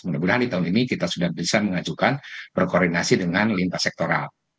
mudah mudahan di tahun ini kita sudah bisa mengajukan berkoordinasi dengan lintas sektoral